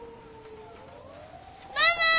ママ！